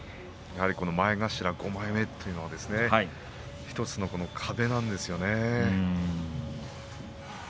前頭５枚目というのは１つの壁なんですね。